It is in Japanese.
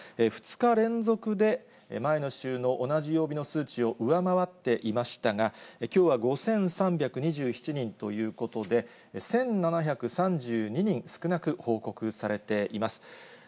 ２日連続で、前の週の同じ曜日の数値を上回っていましたが、きょうは５３２７人ということで、１７３２人少なく報告されています。